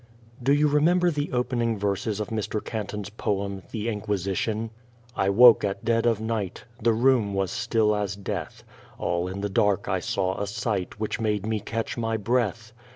Do you remember the opening verses of Mr. Canton's poem, "The Inquisition"? I woke at dead of night ; The room was still as death ; All in the dark I saw a sight Which made me catch my breath.